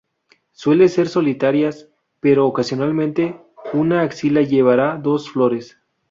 Suelen ser solitarias, pero ocasionalmente una axila llevará dos flores.